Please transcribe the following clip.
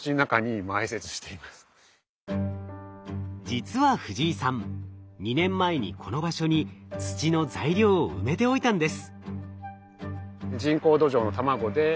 実は藤井さん２年前にこの場所に土の材料を埋めておいたんです。